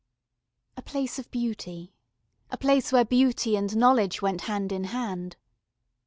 A place of beauty, a place where beauty and knowledge went hand in hand.